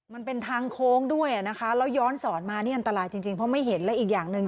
มันเป็นทางโค้งด้วยนะคะแล้วย้อนสอนมานี่อันตรายจริงเพราะไม่เห็นและอีกอย่างหนึ่ง